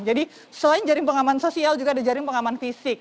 jadi selain jaring pengaman sosial juga ada jaring pengaman fisik